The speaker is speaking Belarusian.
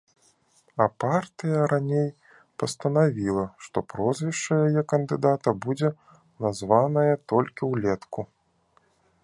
А партыя раней пастанавіла, што прозвішча яе кандыдата будзе названае толькі ўлетку.